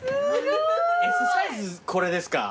Ｓサイズこれですか？